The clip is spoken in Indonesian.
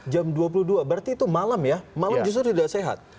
jam dua puluh dua berarti itu malam ya malam justru tidak sehat